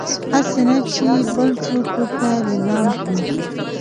هسي نه چې يې بل څوک ورته ليلام کړي